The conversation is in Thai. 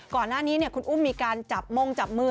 ก่อนหน้านี้คุณอุ้มมีการจับมงจับมือ